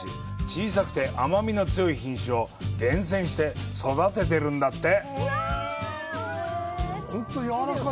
小さくて甘みの強い品種を厳選して育てているんだって。